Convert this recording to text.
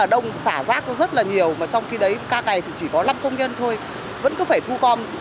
đông sả rác rất nhiều trong khi đấy ca ngày chỉ có năm công nhân thôi vẫn phải thu gom cố gắng hoàn